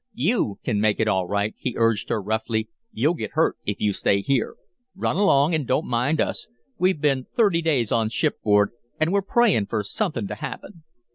"YOU can make it all right," he urged her, roughly. "You'll get hurt if you stay here. Run along and don't mind us. We've been thirty days on shipboard, and were praying for something to happen."